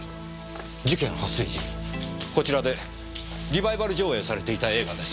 事件発生時こちらでリバイバル上映されていた映画です。